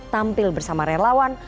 tampil bersama relawan